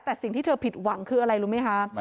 แต่สิ่งที่เธอผิดหวังคืออะไรรู้ไหมคะ